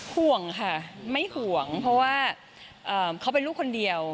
ห่วงค่ะไม่ห่วงเพราะว่าเขาเป็นลูกคนเดียว